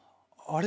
ああ。